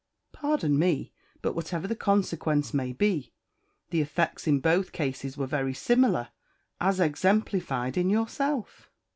"Pardon me, but whatever the consequence may be, the effects in both cases were very similar, as exemplified in yourself.